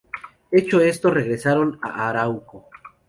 Hecho esto, regresaron a Arauco.